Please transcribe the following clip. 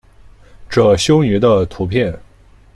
褶胸鱼的图片